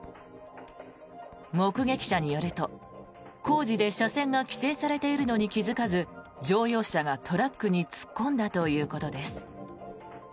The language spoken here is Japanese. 目撃者によると、工事で車線が規制されているのに気付かず乗用車がトラックに突っ込んだということです。